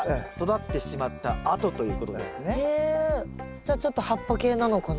じゃあちょっと葉っぱ系なのかな。